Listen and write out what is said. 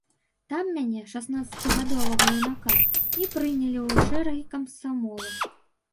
Там мяне, шаснаццацігадовага юнака, і прынялі ў шэрагі камсамола.